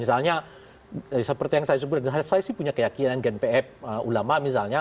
misalnya seperti yang saya sebutkan tadi saya sih punya keyakinan gen p f ulama misalnya